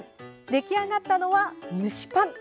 出来上がったのは、蒸しパン。